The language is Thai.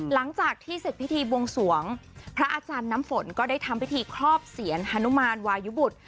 หลังจากที่เสร็จพิธีบวงสวงพระอาจารย์น้ำฝนก็ได้ทำพิธีครอบเสียรฮานุมานวายุบุตร